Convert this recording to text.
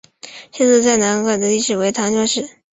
下岗再南坎沿遗址的历史年代为唐汪式。